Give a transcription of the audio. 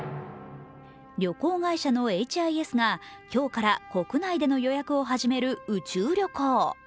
旅行会社のＨＩＳが今日から国内での予約を始める宇宙旅行。